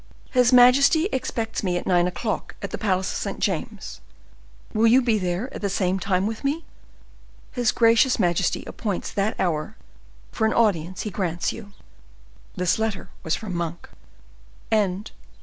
His majesty expects me at nine o'clock at the palace of St. James's: will you be there at the same time with me? His gracious majesty appoints that hour for an audience he grants you." This letter was from Monk. Chapter XXXIII.